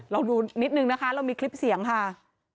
เราดูนิดนึงนะคะเรามีคลิปเสียงค่ะ